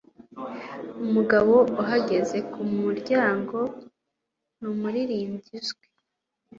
Umugabo uhagaze kumuryango numuririmbyi uzwi.